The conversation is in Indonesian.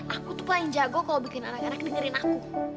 aku tuh paling jago kalau bikin anak anak dengerin aku